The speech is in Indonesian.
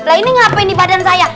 lah ini ngapain di badan saya